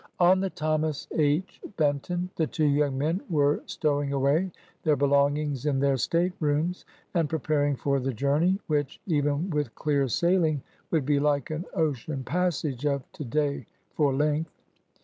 On the Thomas H. Benton the two young men were stow ing away their belongings in their state rooms and prepar ing for the journey, which, even with clear sailing, would be like an ocean passage of to day for length.